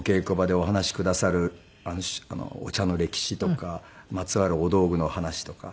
くださるお茶の歴史とかまつわるお道具の話とか。